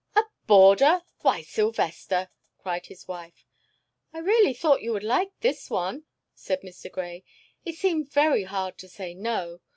"A boarder! Why, Sylvester!" cried his wife. "I really thought you would like this one," said Mr. Grey. "It seemed very hard to say no.